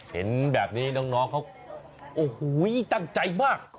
เห็นแบบนี้น้องเขาโอ้โหตั้งใจมาก